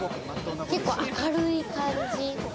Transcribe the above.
結構明るい感じ。